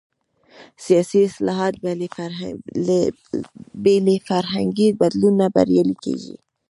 سیاسي اصلاحات بې له فرهنګي بدلون نه بریالي کېږي.